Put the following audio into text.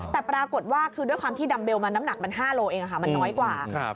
แต่ปรากฏว่าคือด้วยความที่ดัมเบลมันน้ำหนักมัน๕โลเองมันน้อยกว่า